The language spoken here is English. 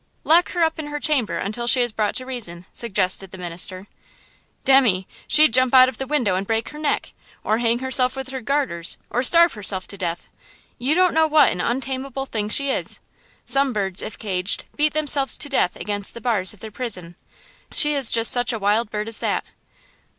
"Lock her up in her chamber until she is brought to reason," suggested the minister. "Demmy, she'd jump out of the window and break her neck! or hang herself with her garters! or starve herself to death! You don't know what an untamable thing she is. Some birds, if caged, beat themselves to death against the bars of their prison. She is just such a wild bird as that."